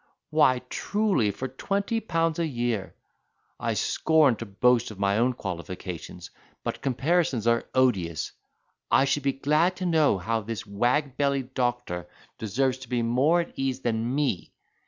why, truly, for twenty pounds a year. I scorn to boast of my own qualifications but—comparisons are odious. I should be glad to know how this wag bellied doctor deserves to be more at ease than me.